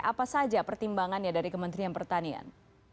apa saja pertimbangannya dari kementerian pertanian